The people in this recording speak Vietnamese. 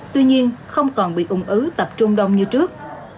tuy nhiên không còn bị ung ứ tập trung đông như trước